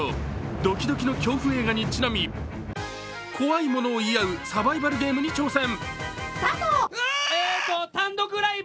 ドキドキの恐怖映画にちなみ、怖いものを言い合うサバイバルゲームに挑戦。